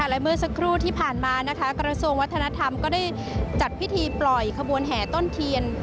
และเมื่อสักครู่ที่ผ่านมานะคะกระทรวงวัฒนธรรมก็ได้จัดพิธีปล่อยขบวนแห่ต้นเทียน